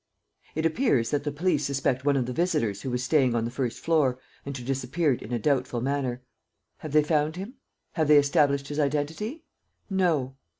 "It appears that the police suspect one of the visitors who was staying on the first floor and who disappeared in a doubtful manner. Have they found him? Have they established his identity? No.